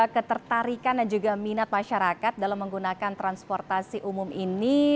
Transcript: ketertarikan dan juga minat masyarakat dalam menggunakan transportasi umum ini